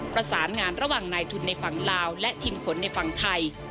ประสานงานระหว่างนายทุนในฝั่งลาวและทีมขนในฝั่งไทย